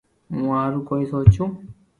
مون ھارو ڪوئي سوچو